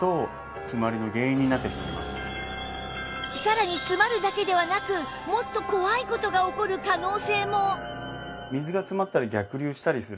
さらに詰まるだけではなくもっと怖い事が起こる可能性も